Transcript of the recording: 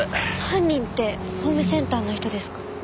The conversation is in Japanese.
犯人ってホームセンターの人ですか？